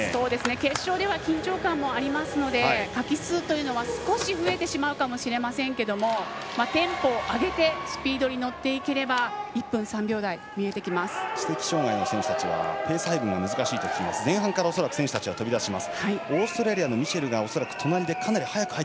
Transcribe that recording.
決勝では緊張感もあるのでかき数というのは少し増えてしまうかもしれませんけれどもテンポを上げてスピードに乗っていければ知的障がいの選手たちはペース配分が難しいというので前半から飛び出してくると見られています。